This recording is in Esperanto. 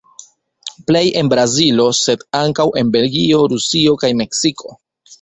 Plej en Brazilo, sed ankaŭ en Belgio, Rusio kaj Meksiko.